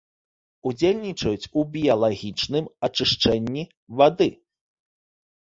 Удзельнічаюць у біялагічным ачышчэнні вады.